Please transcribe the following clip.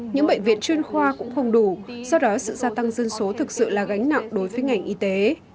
những bệnh viện chuyên khoa cũng không đủ do đó sự gia tăng dân số thực sự là gánh nặng đối với ngành y tế